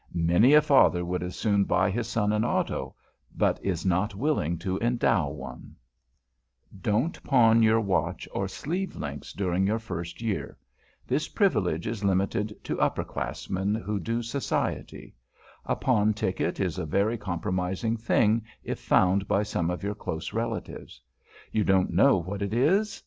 Many a father would as soon buy his son an auto, but is not willing to endow one. [Sidenote: ABOUT PAWNING YOUR WATCH] Don't pawn your watch or sleeve links during your first year. This privilege is limited to upper classmen who do Society. A pawn ticket is a very compromising thing if found by some of your close relatives. You don't know what it is?